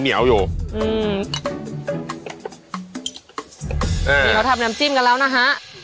อันนี้เราทำน้ำจิ้มนี้แล้วนะฮะค่ะ